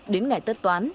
đến ngày tất toán